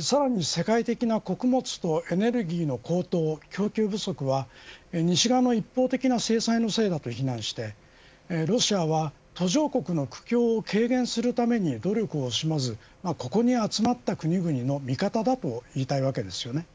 さらに世界的な穀物とエネルギーの高騰供給不足は、西側の一方的な制裁のせいだと非難してロシアは途上国の苦境を軽減するために努力を惜しまずここに集まった国々の味方だと言いたいわけですよね。